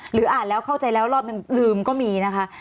อ่านแล้วเข้าใจแล้วรอบนึงลืมก็มีนะคะ